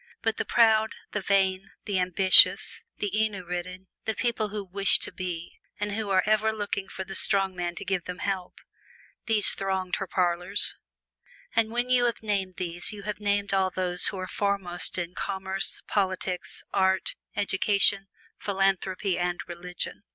But the proud, the vain, the ambitious, the ennui ridden, the people who wish to be, and who are ever looking for the strong man to give them help these thronged her parlors. And when you have named these you have named all those who are foremost in commerce, politics, art, education, philanthropy and religion.